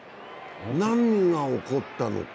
何が起こったのか。